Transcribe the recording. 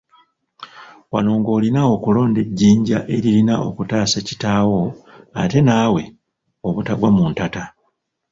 Wano ng’olina okulonda ejjinja eririna okutaasa kitaawo ate naawe obutagwa mu ntata.